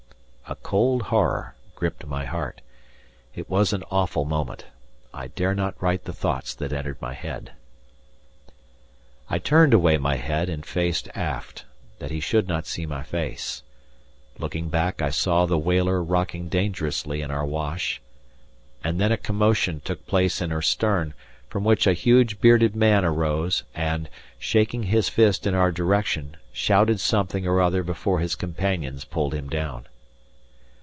A cold horror gripped my heart. It was an awful moment. I dare not write the thoughts that entered my head. I turned away my head and faced aft, that he should not see my face; looking back I saw the whaler rocking dangerously in our wash, and then a commotion took place in her stern, from which a huge bearded man arose and, shaking his fist in our direction, shouted something or other before his companions pulled him down.